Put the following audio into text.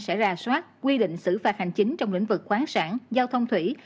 sẽ ra soát quy định xử phạt hành chính trong lĩnh vực khoáng sản giao thông thủy